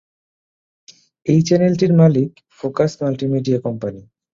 এই চ্যানেলটির মালিক ফোকাস মাল্টিমিডিয়া কোম্পানী।